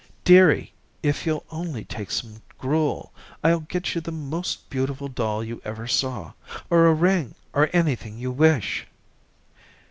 "Dearie, if you'll only take some gruel, I'll get you the most beautiful doll you ever saw, or a ring, or anything you wish."